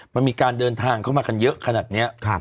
มันมีการเดินทางเข้ามากันเยอะขนาดนี้